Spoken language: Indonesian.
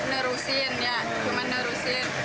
nerusin ya cuman nerusin